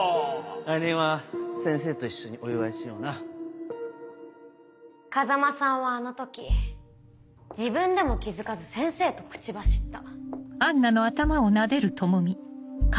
来年は先生と一緒にお祝いしような風真さんはあの時自分でも気付かず「先生」と口走った。